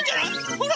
ほら！